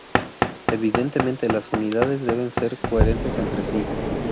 Evidentemente las unidades deben ser coherentes entre sí.